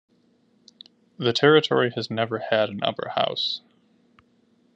The Territory has never had an upper house.